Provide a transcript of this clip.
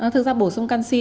thực ra bổ sung canxi